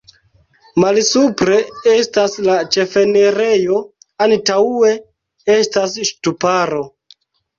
Malsupre estas la ĉefenirejo, antaŭe estas ŝtuparo.